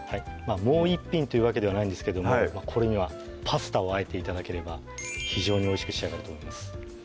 もう１品というわけではないんですけどもこれにはパスタを和えて頂ければ非常においしく仕上がると思います